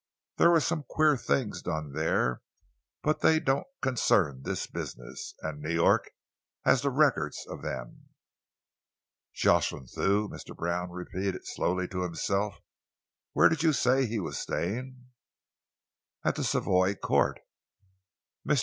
There were some queer things done there, but they don't concern this business, and New York has the records of them." "Jocelyn Thew," Mr. Brown repeated slowly to himself. "Where did you say he was staying?" "At the Savoy Court." Mr.